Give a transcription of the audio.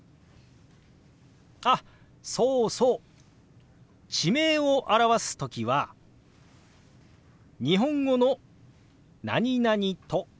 あっそうそう地名を表す時は日本語の「何々都」